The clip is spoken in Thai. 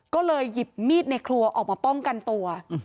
ก็เลยหยิบมีดในครัวออกมาป้องกันตัว